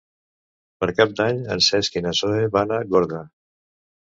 Per Cap d'Any en Cesc i na Zoè van a Gorga.